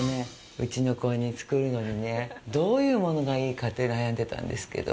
うちの子に作るのにねどういうものがいいかって悩んでたんですけど。